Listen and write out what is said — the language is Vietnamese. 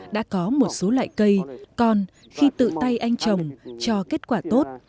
đã có một số loại cây con khi tự tay anh trồng cho kết quả tốt